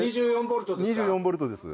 ２４ボルトですか？